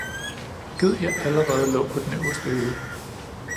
Gid jeg allerede lå på den øverste hylde!"